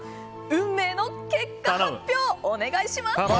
運命の結果発表をお願いします。